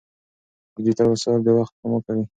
ډیجیټل وسایل د وخت سپما کوي.